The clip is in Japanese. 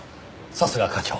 さすが課長。